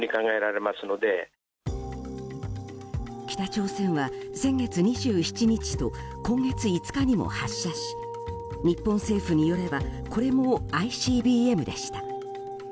北朝鮮は先月２７日と今月５日にも発射し日本政府によればこれもＩＣＢＭでした。